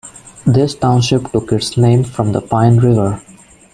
This township took its name from the Pine River.